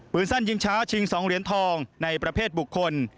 สั้นยิงช้าชิง๒เหรียญทองในประเภทบุคคล